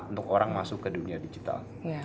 untuk orang masuk ke dunia digital